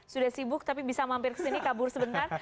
sudah sibuk tapi bisa mampir ke sini kabur sebentar